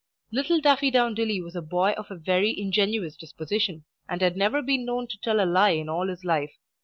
Little Daffydowndilly was a boy of a very ingenuous disposition, and had never been known to tell a lie in all his life.